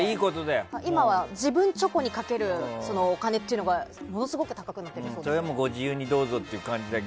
今は自分チョコにかけるお金っていうのがものすごく高くなっているそうです。